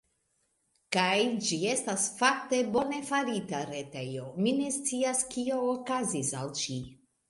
Kaj... ĝi estas fakte bone farita retejo, mi ne scias, kio okazis al ĝi.